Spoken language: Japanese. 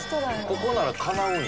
「ここならかなうんや」